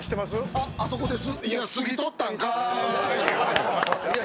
あ、あそこです。